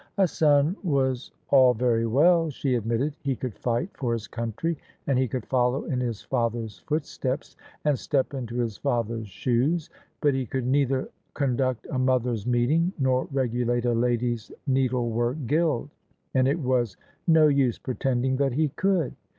A son was all very well, she admitted : he could fight for his country, and he could follow in his father's footsteps and step into his father's shoes: but he could neither conduct a Mothers' Meeting nor regulate a Ladies' Needlework Guild, and it was no use pretending that he could.